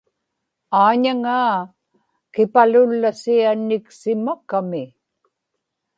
aañaŋaa kipalullasianiksimakami